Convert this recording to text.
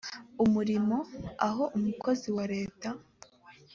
w umurimo aho umukozi wa leta